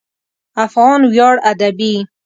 افغان ویاړ ادبي